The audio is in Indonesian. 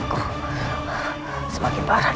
aku akan menerima kesalahanmu